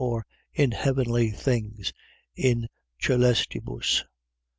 . .or, in heavenly things. In coelestibus.